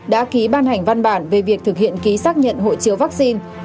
đã ký ban hành văn bản về việc thực hiện ký xác nhận hộ chiếu vaccine